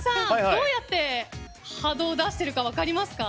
どうやって波動を出しているか分かりますか？